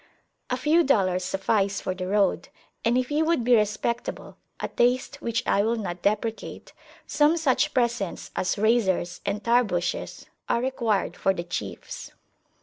A few dollars suffice for the road, and if you would be respectable, a taste which I will not deprecate, some such presents as razors and Tarbushes are required for the chiefs.